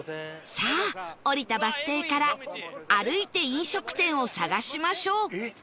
さあ降りたバス停から歩いて飲食店を探しましょう